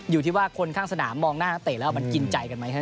อยู่ที่ว่าคนข้างสนามมองหน้านักเตะแล้วมันกินใจกันไหมใช่ไหม